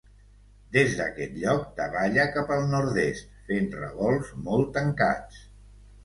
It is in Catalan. Des d'aquest lloc davalla cap al nord-est, fent revolts molt tancats.